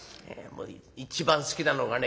一番好きなのがね